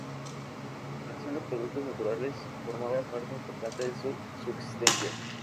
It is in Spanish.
La recolección de productos naturales formaba parte importante de su subsistencia.